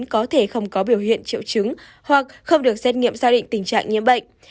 có thể không có biểu hiện triệu chứng hoặc không được xét nghiệm xác định tình trạng nhiễm bệnh